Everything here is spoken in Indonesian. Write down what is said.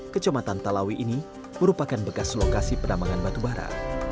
kecabatan talawi ini merupakan bekas lokasi pertambangan batubara